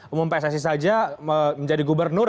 umum pssi saja menjadi gubernur